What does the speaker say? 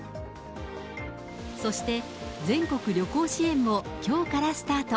そして、全国旅行支援もきょうからスタート。